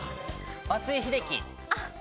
松井秀喜。